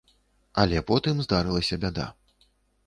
Але потым здарылася бяда.